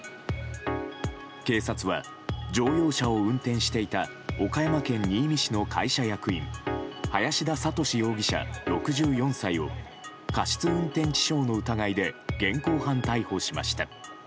警察は、乗用車を運転していた岡山県新見市の会社役員林田覚容疑者、６４歳を過失運転致傷の疑いで現行犯逮捕しました。